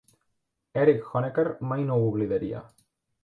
Erich Honecker mai no ho oblidaria.